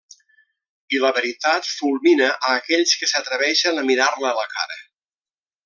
I la veritat fulmina a aquells que s'atreveixen a mirar-la a la cara.